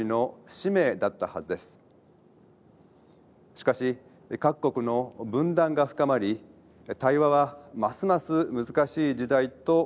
しかし各国の分断が深まり対話はますます難しい時代となっています。